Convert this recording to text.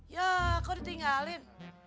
ya kok ditinggalin